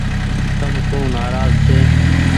تم سون نآراز ڇي۔